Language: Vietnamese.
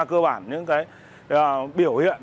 cơ bản những cái biểu hiện